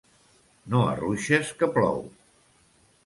No arruixes, que plou.